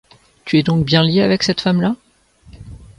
Tu es donc bien lié avec cette femme-là?